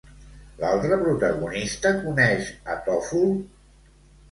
L'altra protagonista coneix a Tòful?